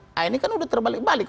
nah ini kan udah terbalik balik